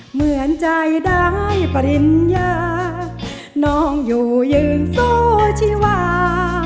เหมือนใจได้ปริญญาน้องอยู่ยืนสู้ชีวา